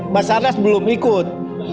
mas sarnas belum ikut